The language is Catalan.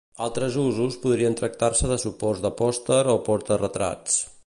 Altres usos podrien tractar-se de suports de pòsters o porta-retrats.